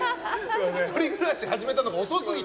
１人暮らし始めたのが遅すぎて。